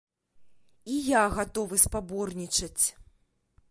І я гатовы спаборнічаць.